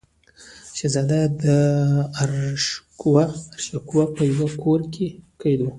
شهزاده داراشکوه په یوه کور کې قید و.